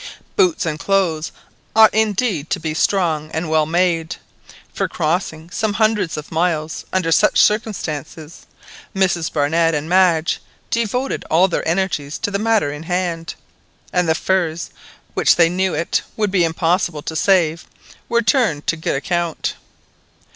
Boots and clothes ought indeed to be strong and well made, for crossing some hundreds of miles under such circumstances. Mrs Barnett and Madge devoted all their energies to the matter in hand, and the furs, which they knew it would be impossible to save, were turned to good account.